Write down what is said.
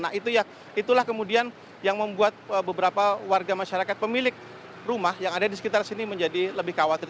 nah itulah kemudian yang membuat beberapa warga masyarakat pemilik rumah yang ada di sekitar sini menjadi lebih khawatir